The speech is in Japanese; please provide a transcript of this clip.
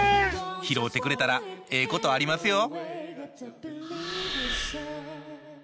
拾うてくれたらええことありますよ